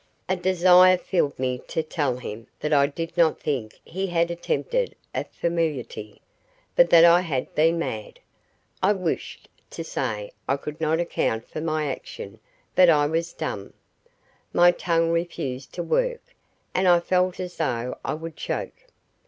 A desire filled me to tell him that I did not think he had attempted a familiarity, but that I had been mad. I wished to say I could not account for my action, but I was dumb. My tongue refused to work, and I felt as though I would choke.